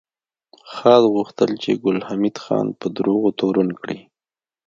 خاد غوښتل چې ګل حمید خان په دروغو تورن کړي